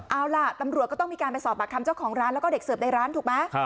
เอาล่ะตำรวจก็ต้องมีการไปสอบปากคำเจ้าของร้านแล้วก็เด็กเสิร์ฟในร้านถูกไหม